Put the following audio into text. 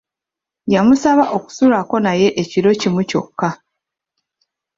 Yamusaba okusulako naye ekiro kimu kyokka.